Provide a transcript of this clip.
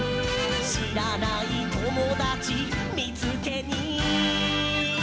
「しらないともだちみつけに」